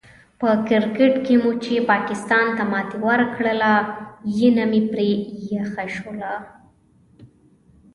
په کرکیټ کې مو چې پاکستان ته ماتې ورکړله، ینه مې پرې یخه شوله.